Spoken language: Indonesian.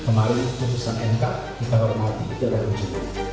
kemarin keputusan nk kita hormati itu ada ujungnya